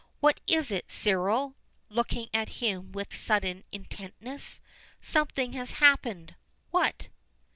"What is it, Cyril?" looking at him with sudden intentness. "Something has happened. What?"